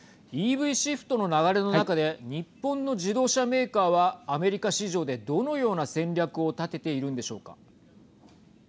ＥＶシフトの流れの中で日本の自動車メーカーはアメリカ市場でどのような戦略を立てているんでしょうか。